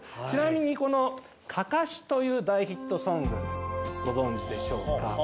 ちなみにこの案山子という大ヒットソング、ご存じでしょうか。